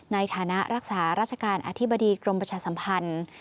ในฐานะรักษาราชการอธิบดีกรมประชาสัมพันธ์